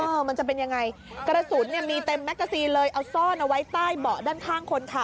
มันจะเป็นยังไงกระสุนเนี่ยมีเต็มแมกกาซีนเลยเอาซ่อนเอาไว้ใต้เบาะด้านข้างคนขับ